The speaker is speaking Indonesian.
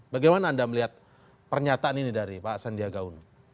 bagaimana anda melihat pernyataan ini dari pak sandiaga uno